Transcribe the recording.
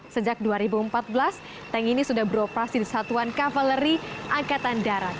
sejak dua ribu empat belas tank ini sudah beroperasi di satuan kavaleri angkatan darat